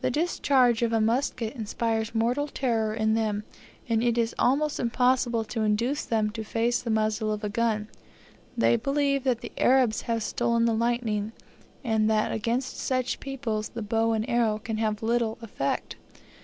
The discharge of a musket inspires mortal terror in them, and it is almost impossible to induce them to face the muzzle of a gun. They believe that the Arabs have stolen the lightning, and that against such people the bow and arrow can have little effect.